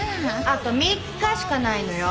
あと３日しかないのよ。